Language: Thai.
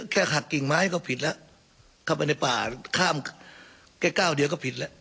แค่หักกิ่งไม้ก็ผิดแล้วเข้าไปในป่าข้ามแค่ก้าวเดียวก็ผิดแล้ว